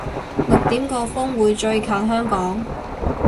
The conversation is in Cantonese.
六點個風會最近香港